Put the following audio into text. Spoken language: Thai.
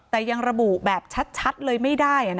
แต่ยังระบุแบบชัดเลยไม่ได้